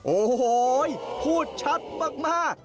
โอ้โหพูดชัดมาก